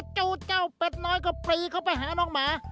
เจ้าเป็ดน้อยก็ปรีเข้าไปหาน้องหมา